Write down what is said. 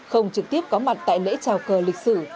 không trực tiếp có mặt tại lễ trào cờ lịch sử